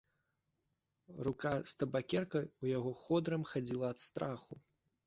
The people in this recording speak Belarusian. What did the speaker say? Рука з табакеркай у яго ходырам хадзіла ад страху.